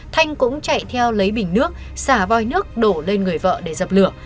thanh cũng chạy theo lấy bình nước xả voi nước đổ lên người vợ để dập lửa